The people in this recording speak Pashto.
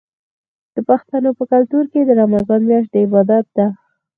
د پښتنو په کلتور کې د رمضان میاشت د عبادت ده.